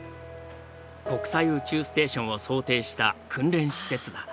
国際宇宙ステーションを想定した訓練施設だ。